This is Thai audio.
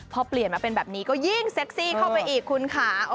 พอเปลี่ยนมาเป็นแบบนี้ก็ยิ่งเซ็กซี่เข้าไปอีกคุณค่ะ